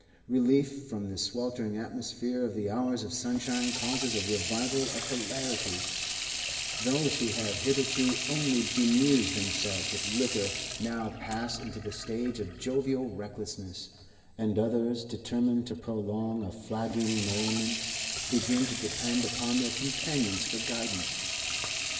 Relief from the sweltering atmosphere of the hours of sunshine causes a revival of hilarity; those who have hitherto only bemused themselves with liquor now pass into the stage of jovial recklessness, and others, determined to prolong a flagging merriment, begin to depend upon their companions for guidance.